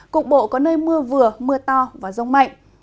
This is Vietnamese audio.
cục bộ có nơi mưa vừa mưa to và rông mạnh